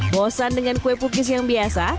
bosan dengan kue pukis yang biasa